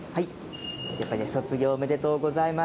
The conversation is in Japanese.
やっぱりね、卒業おめでとうございます。